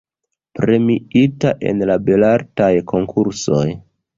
Premiita en la Belartaj Konkursoj.